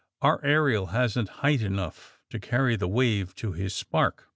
*^ Our aerial hasn 't height enough to carry the wave to his spark."